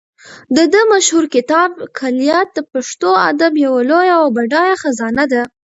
د ده مشهور کتاب کلیات د پښتو ادب یوه لویه او بډایه خزانه ده.